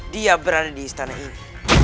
dia berada di istana ini